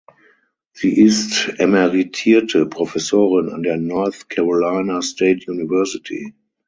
Sie ist emeritierte Professorin an der North Carolina State University.